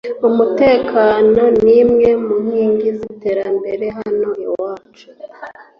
Umutekano nimwe munkingi ziterambere hano iwacu